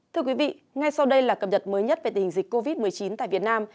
thưa quý vị ngay sau đây là cập nhật mới nhất về tình hình dịch covid một mươi chín tại việt nam